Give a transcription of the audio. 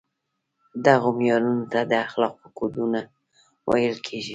دغو معیارونو ته د اخلاقو کودونه ویل کیږي.